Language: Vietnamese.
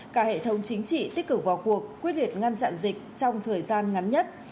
cả hệ thống chính trị tích cực vào cuộc quyết liệt ngăn chặn dịch trong thời gian ngắn nhất